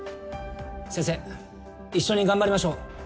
先生一緒に頑張りましょう。